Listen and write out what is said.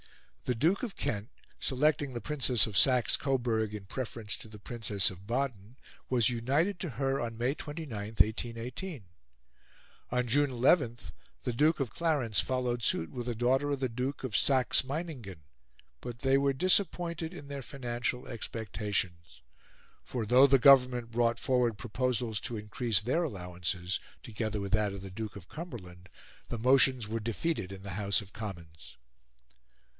The Duke of Kent, selecting the Princess of Saxe Coburg in preference to the Princess of Baden, was united to her on May 29, 1818. On June 11, the Duke of Clarence followed suit with a daughter of the Duke of Saxe Meiningen. But they were disappointed in their financial expectations; for though the Government brought forward proposals to increase their allowances, together with that of the Duke of Cumberland, the motions were defeated in the House of Commons.